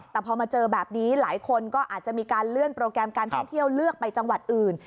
แต่พอมาเจอแบบนี้หลายคนก็อาจจะมีการเลื่อนโปรแกรมการท่องเที่ยวเลือกไปจังหวัดอื่น